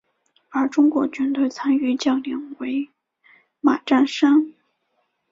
而中国军队参与将领为马占山。